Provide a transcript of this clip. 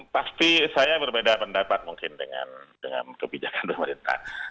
pasti saya berbeda pendapat mungkin dengan kebijakan pemerintah